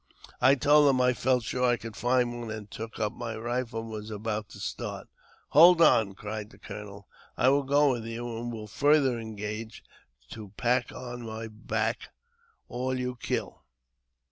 I told him I felt sure I could find one, and took up my rifle and was about to start. '* Hold on !" cried the colonel ;" I will go with you, and will further engage to pack on my back all you kill."